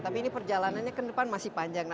tapi ini perjalanannya ke depan masih panjang